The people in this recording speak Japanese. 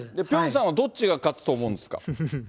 ピョンさんはどっちが勝つと思うんですか？